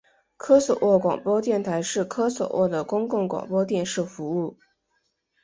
科索沃广播电视台是科索沃的公共广播电视服务。